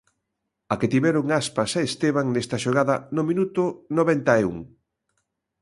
A que tiveron Aspas e Esteban nesta xogada no minuto noventa e un.